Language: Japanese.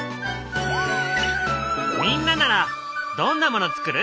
みんなならどんなものつくる？